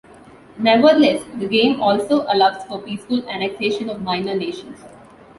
Nevertheless, the game also allows for peaceful annexation of minor nations.